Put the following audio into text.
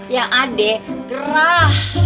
yang ada gerah